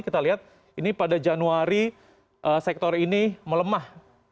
kita lihat ini pada januari sektor ini melemah